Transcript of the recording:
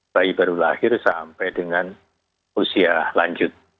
bayi baru lahir sampai dengan usia lanjut